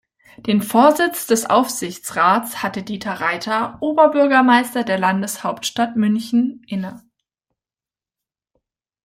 Den Vorsitz des Aufsichtsrats hat Dieter Reiter, Oberbürgermeister der Landeshauptstadt München, inne.